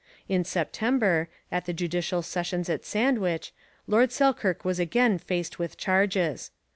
In September, at the judicial sessions at Sandwich, Lord Selkirk was again faced with charges.